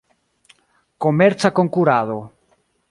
Komerca Konkurado.